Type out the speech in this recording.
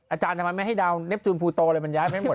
อาจารย์ทำไมไม่ให้ดาวเน็บจูนภูโตเลยมันย้ายไม่หมด